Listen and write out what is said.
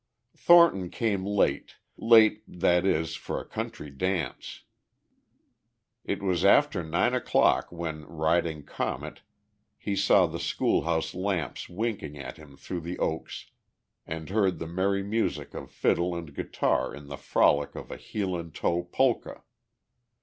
Thornton came late, late that is, for a country dance. It was after nine o'clock when, riding Comet, he saw the schoolhouse lamps winking at him through the oaks and heard the merry music of fiddle and guitar in the frolic of a heel and toe polka.